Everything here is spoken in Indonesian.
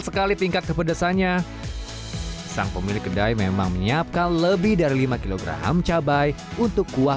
sekali tingkat kepedesannya sang pemilik kedai memang menyiapkan lebih dari lima kg cabai untuk kuah